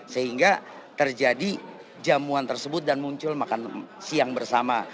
sehingga terjadi jamuan tersebut dan muncul makan siang bersama